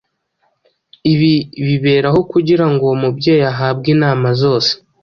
Ibi biberaho kugira ngo uwo mubyeyi ahabwe inama zose